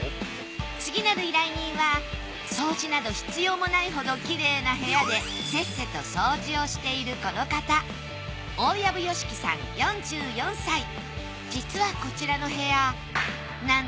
次なる依頼人は掃除など必要もないほどきれいな部屋でせっせと掃除をしているこの方実はこちらの部屋